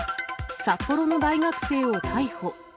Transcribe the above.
札幌の大学生を逮捕。